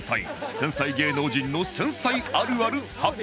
繊細芸能人の繊細あるある発表